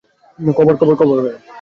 Cover, cover fire.